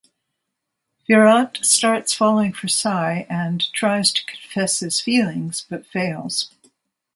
Virat starts falling for Sai and tries to confess his feelings but fails.